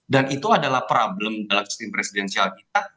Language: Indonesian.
dan itu adalah problem dalam sistem presidensial kita